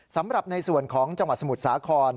สำหรับในส่วนของจังหวัดสมุทรสาคร